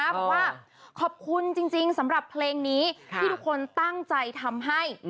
บอกว่าขอบคุณจริงสำหรับเพลงนี้ที่ทุกคนตั้งใจทำให้